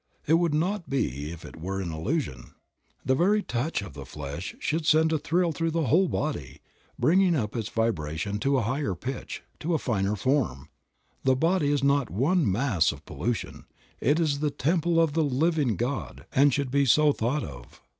It would not be if it were an illusion. The very touch of the flesh should send a thrill through the whole body, bringing up its vibration to a higher pitch, to a finer form. The body is not one "mass of pollution," it is the temple of the living God and should be so thought of.